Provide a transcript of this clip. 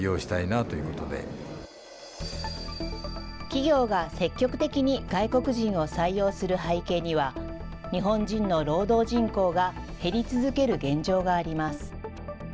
企業が積極的に外国人を採用する背景には、日本人の労働人口が減り続ける現状があります。